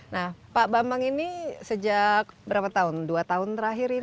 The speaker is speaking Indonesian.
nah pak bambang ini sejak berapa tahun dua tahun terakhir ini